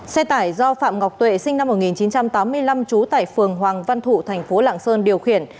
xe tải do phạm ngọc tuệ sinh năm một nghìn chín trăm tám mươi năm chú tải phường hoàng văn thụ tp lạng sơn điều khiển